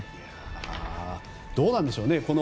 どうなんでしょうね。